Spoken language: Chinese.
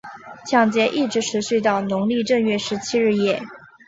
抢劫一直持续到农历正月十七日夜。